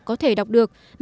có thể đọc được những bài viết